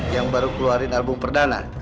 yang baru keluarin album perdana